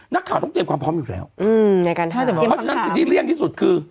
เพราะฉะนั้นคือสิ่งที่เลี่ยงที่สุดคือ